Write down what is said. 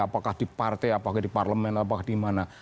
apakah di partai apakah di parlemen apakah di mana